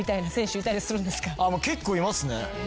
結構いますね。